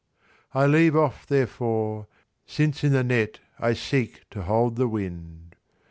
I leave off therefore, Since in a net I seek to hold the wind.